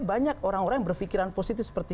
banyak orang orang yang berpikiran positif seperti